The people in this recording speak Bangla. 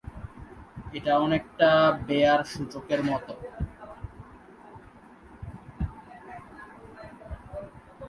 এটি অনেকটা বেয়ার সূচকের মত।